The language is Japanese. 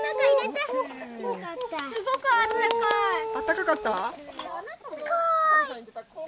あったかかった？